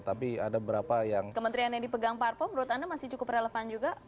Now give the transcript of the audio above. kementerian yang dipegang parpo menurut anda masih cukup relevan juga